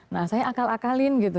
nah saya akal akalin gitu